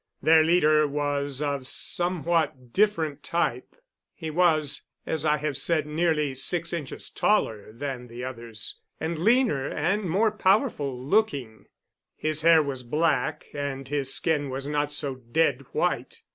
Their leader was of somewhat different type. He was, as I have said, nearly six inches taller than the others, and leaner and more powerful looking. His hair was black, and his skin was not so dead white.